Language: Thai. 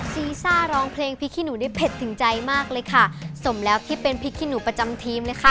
ซีซ่าร้องเพลงพริกขี้หนูได้เผ็ดถึงใจมากเลยค่ะสมแล้วที่เป็นพริกขี้หนูประจำทีมนะคะ